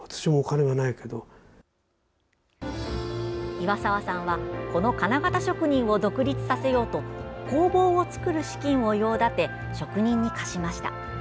岩沢さんはこの金型職人を独立させようと工房を造る資金を用立て職人に貸しました。